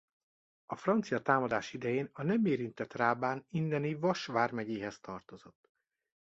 A francia támadás idején a nem érintett Rábán inneni Vas vármegyéhez tartozott.